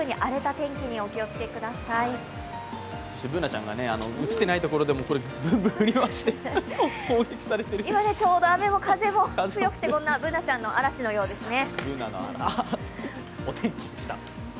Ｂｏｏｎａちゃんが映ってないところでもぶんぶん振り回して今、雨も風も強くてこんなＢｏｏｎａちゃんの嵐のようですね。